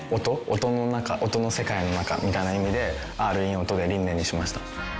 音の中音の世界の中みたいな意味で「Ｒ」「ｉｎ」「音」で Ｒｉｎ 音にしました。